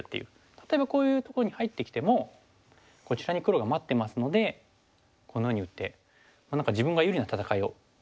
例えばこういうとこに入ってきてもこちらに黒が待ってますのでこのように打って何か自分が有利な戦いをできますよね。